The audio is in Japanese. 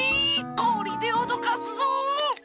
こりでおどかすぞ！